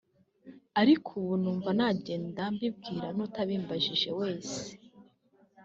ariko ubu numva nagenda mbibwira n’utabimbajije wese